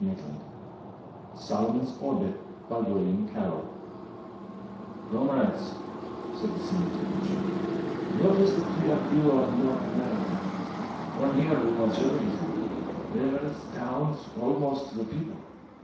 by William Carroll Illustrated by Schoenherr "Comrades," said the senior technician, "notice the clear view of North America. From here we watch everything; rivers, towns, almost the people.